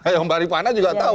yang mbak rifana juga tahu